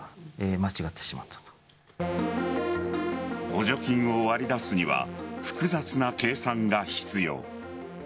補助金を割り出すには複雑な計算が必要。